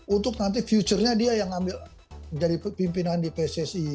untuk nanti future nya dia yang ambil yang muda ya mbak